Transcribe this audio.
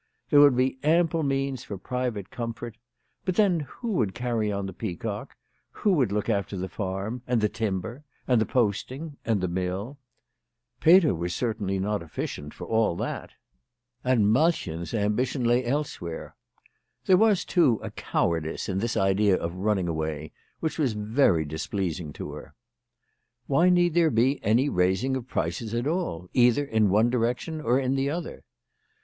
There would be ample means for private comfort. But then who would carry on the Peacock, who would look after the farm, and the timber, and the posting,* and the mill ? Peter was certainly not efficient for all that. And Malchen's 28 WHY FRAU FROHMANN RAISED HER PRICES. ambition lay elsewhere. There was, too, a cowardice in this idea of running away which was very dis pleasing to her. Why need there be any raising of prices at all, either in one direction or in the other?